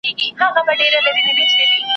د دغې مقالې په حواله لیکلي